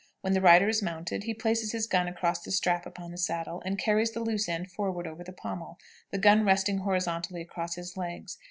When the rider is mounted, he places his gun across the strap upon the saddle, and carries the loose end forward over the pommel, the gun resting horizontally across his legs.